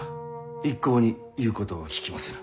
一向に言うことを聞きませぬ。